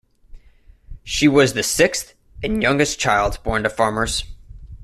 She was the sixth and youngest child born to farmers.